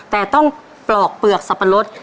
แต่ต้องปลอกเปลือกสับปะรด